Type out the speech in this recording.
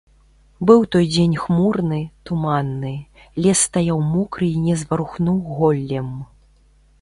Быў той дзень хмурны, туманны, лес стаяў мокры і не зварухнуў голлем.